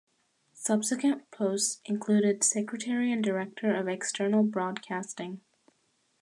Subsequent posts included Secretary and Director of External Broadcasting.